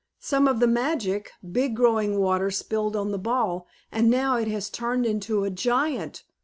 "Some of the magic, big growing water spilled on the ball, and now it has turned into a giant!